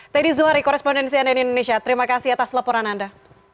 teddy zuhari korespondensi ann indonesia terima kasih atas laporan anda